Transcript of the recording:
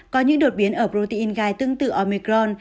có những đột biến ở protein gai tương tự omicron